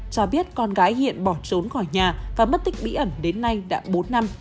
cho biết con gái hiện bỏ trốn khỏi nhà và mất tích bí ẩn đến nay đã bốn năm